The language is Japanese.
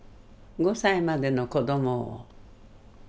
５歳までの子供を。